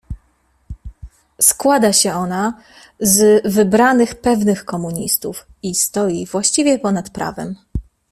"Składa się ona z wybranych, pewnych komunistów, i stoi właściwie ponad prawem."